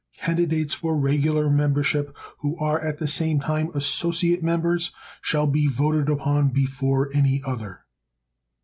Candidates for regular membership who are at the same time associate members shall be voted upon before any other.